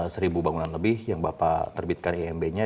seribu bangunan lebih yang bapak terbitkan imb nya